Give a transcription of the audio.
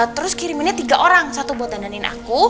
terus kiriminnya tiga orang satu buat tandanin aku